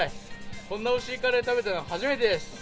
こんなおいしいカレー食べたの初めてです。